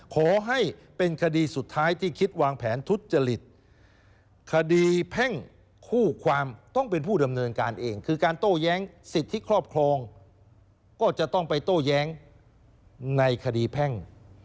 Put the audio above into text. ขอให้เป็นคดีสุดท้ายที่คิดวางแผนทุจริตคดีแพ่งคู่ความต้องเป็นผู้ดำเนินการเองคือการโต้แย้งสิทธิครอบครองก็จะต้องไปโต้แย้งในคดีแพ่ง